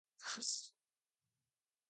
اہل بیت میں بھی شمار ہوتے ہیں